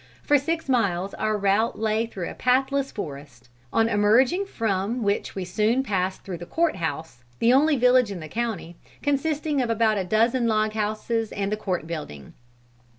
For six miles our route lay through a pathless forest; on emerging from which we soon passed through the 'Court House,' the only village in the county, consisting of about a dozen log houses and the court building.